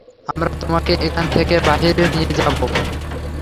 আমরা তোমাকে এখান থেকে বাহিরে নিয়ে যাব।